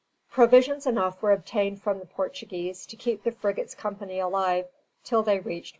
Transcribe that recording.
Provisions enough were obtained from the Portuguese to keep the frigate's company alive till they reached Port Louis.